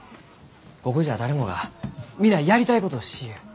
ここじゃ誰もが皆やりたいことをしゆう。